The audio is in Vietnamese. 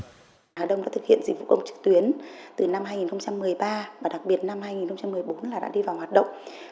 hà đông đã thực hiện dịch vụ công trực tuyến từ năm hai nghìn một mươi ba và đặc biệt năm hai nghìn một mươi bốn là đã đi vào hoạt động